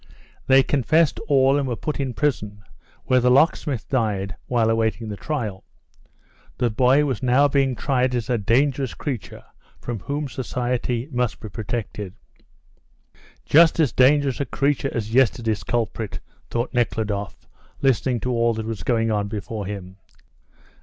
They confessed all and were put in prison, where the locksmith died while awaiting the trial. The boy was now being tried as a dangerous creature, from whom society must be protected. "Just as dangerous a creature as yesterday's culprit," thought Nekhludoff, listening to all that was going on before him.